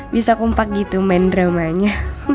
bisa kompak gitu main dramanya